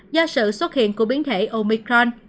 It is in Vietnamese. do sự xuất hiện của biến thể omicron